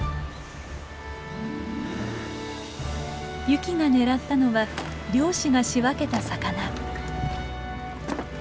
ユキが狙ったのは漁師が仕分けた魚。